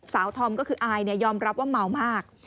ธอมก็คืออายยอมรับว่าเมามาก